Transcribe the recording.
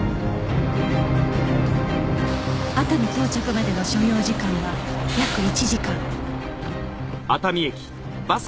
熱海到着までの所要時間は約１時間